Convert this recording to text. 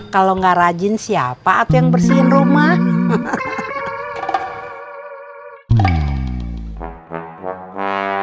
kalau gak rajin siapa tuh yang bersihin rumah